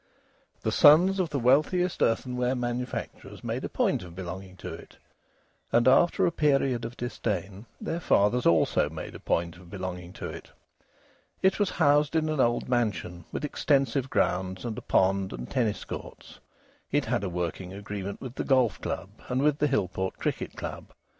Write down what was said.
The sons of the wealthiest earthenware manufacturers made a point of belonging to it, and, after a period of disdain, their fathers also made a point of belonging to it. It was housed in an old mansion, with extensive grounds and a pond and tennis courts; it had a working agreement with the Golf Club and with the Hillport Cricket Club.